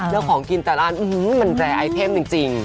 แล้วของกินแต่ละอ่านอื้อหือหรือมันแรร์ไอเทมจริง